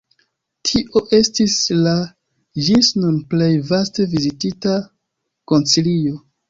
Tio estis la ĝis nun plej vaste vizitita koncilio.